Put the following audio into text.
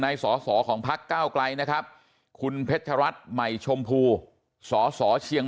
ในสอของพัก๙กลายนะครับคุณเพชรรัฐใหม่ชมพูสอเชียง